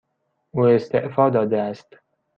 او استعفا داده است.